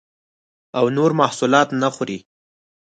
او نور محصولات نه خوري